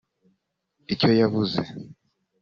Icyo yavuze